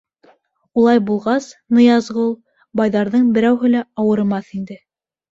— Улай булғас, Ныязғол байҙарҙың берәүһе лә ауырымаҫ инде.